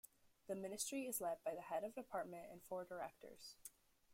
The Ministry is led by the Head of Department and four Directors.